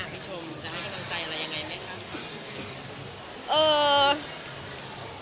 พี่ชมจะให้การต่างใจอะไรยังไงไหมครับ